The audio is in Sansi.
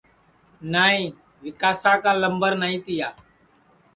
نائی ویکاسا کا لمبر نائی تیا